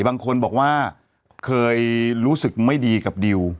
บางคนบอกว่าเคยรู้สึกไม่ดีกับดิว